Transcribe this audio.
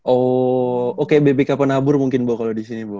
oh kayak bpk penabur mungkin kalau di sini